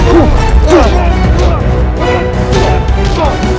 bu eh bu duri